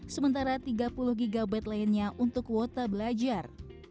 sementara tiga puluh gb lainnya untuk kuota belajar